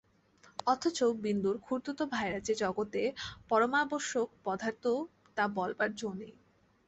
অথচ বিন্দুর খুড়তুতো ভাইরা যে জগতে পরমাবশ্যক পদার্থ তা বলবার জো নেই।